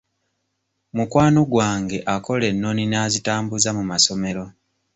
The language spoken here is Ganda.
Mukwano gwange akola ennoni n'azitambuza mu masomero.